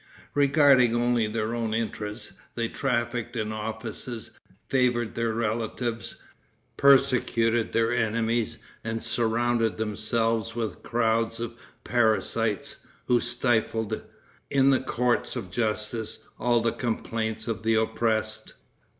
Regarding only their own interests, they trafficked in offices, favored their relatives, persecuted their enemies and surrounded themselves with crowds of parasites who stifled, in the courts of justice, all the complaints of the oppressed.